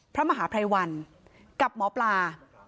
พระมหาภัยวันกับหมอปลา